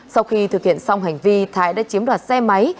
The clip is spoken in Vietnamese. sau khi thực hiện xong hành vi thái đã chiếm đoạt xe máy